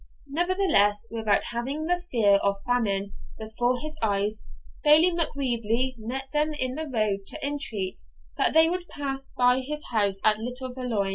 Nevertheless, without having the fear of famine before his eyes, Bailie Macwheeble met them in the road to entreat that they would pass by his house at Little Veolan.